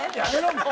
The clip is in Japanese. もう。